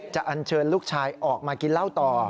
อันเชิญลูกชายออกมากินเหล้าต่อ